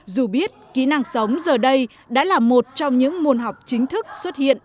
dù biết kỹ năng sống giờ đây đã là một trong những môn học chính thức xuất hiện